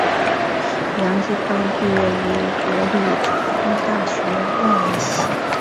杨基宽毕业于国立成功大学外文系。